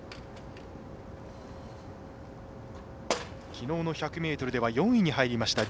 きのうの１００ｍでは４位に入りました。